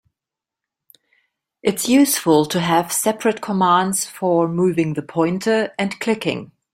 It's useful to have separate commands for moving the pointer and clicking.